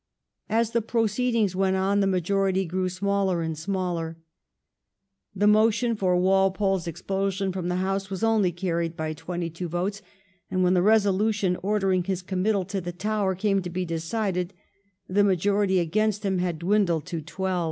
As the proceedings went on the majority grew smaller and smaller. The motion for Walpole's expulsion from the House was only carried by 22 votes, and when the resolution ordering his committal to the Tower came to be decided, the majority against him had dwindled to 12.